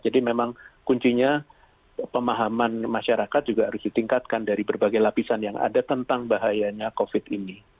jadi memang kuncinya pemahaman masyarakat juga harus ditingkatkan dari berbagai lapisan yang ada tentang bahayanya covid ini